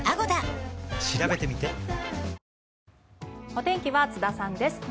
お天気は津田さんです。